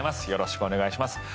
よろしくお願いします。